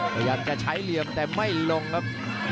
พยายามจะใช้เหลี่ยมแต่ไม่ลงครับ